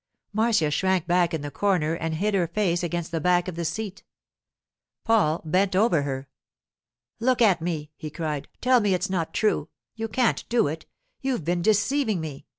Marcia shrank back in the corner and hid her face against the back of the seat. Paul bent over her. 'Look at me,' he cried; 'tell me it's not true. You can't do it! You've been deceiving me.